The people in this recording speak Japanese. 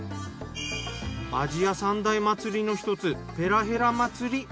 アジア三大祭りの１つペラヘラ祭り。